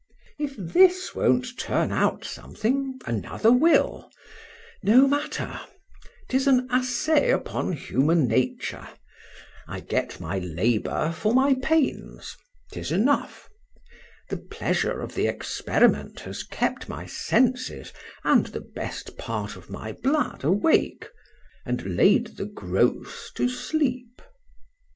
—If this won't turn out something,—another will;—no matter,—'tis an assay upon human nature—I get my labour for my pains,—'tis enough;—the pleasure of the experiment has kept my senses and the best part of my blood awake, and laid the gross to sleep.